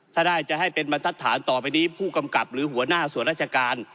ถ้าได้จะให้เป็นบรรทัศนต่อไปนี้ผู้กำกับหรือหัวหน้าส่วนราชการ